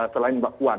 selain mbak puan